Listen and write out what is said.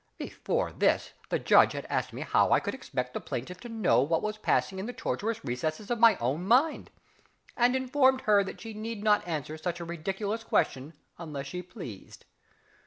Before this the Judge had asked me how I could expect the plaintiff to know what was passing in the tortuous recesses of my own mind, and informed her that she need not answer such a ridiculous question unless she pleased.